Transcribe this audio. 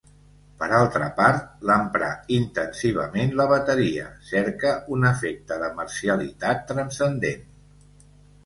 Per altra part, l'emprà intensivament la bateria, cerca un efecte de marcialitat transcendent.